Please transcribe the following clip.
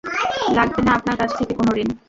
লাগবে না আপনার কাছ থেকে কোন ঋণ।